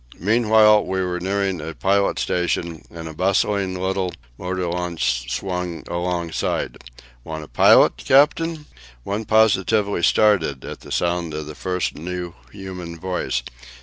Meanwhile we were nearing a pilot station, and a bustling little motor launch swung alongside. "Want a pilot, captain?" One positively started at the sound of the first new human voice.